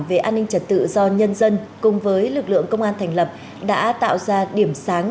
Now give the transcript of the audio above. về an ninh trật tự do nhân dân cùng với lực lượng công an thành lập đã tạo ra điểm sáng